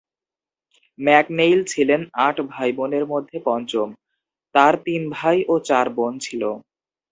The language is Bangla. ম্যাকনেইল ছিলেন আট ভাইবোনের মধ্যে পঞ্চম। তার তিন ভাই ও চার বোন ছিল।